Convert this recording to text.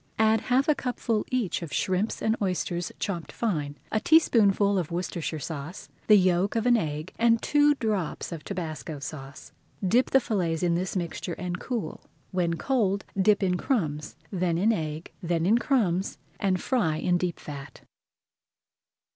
Add half a cupful each of shrimps and oysters chopped fine, a teaspoonful of Worcestershire sauce, the yolk of an egg, and two drops of tabasco sauce. Dip the fillets in this mixture [Page 148] and cool. When cold dip in crumbs, then in egg, then in crumbs, and fry in deep fat.